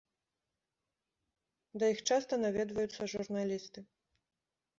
Да іх часта наведваюцца журналісты.